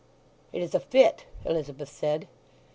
"It is a fit," Elizabeth said.